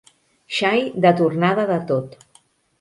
Xai de tornada de tot.